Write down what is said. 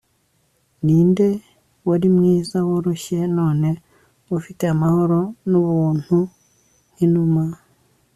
ninde wari mwiza, woroshye none ufite amahoro nubuntu nkinuma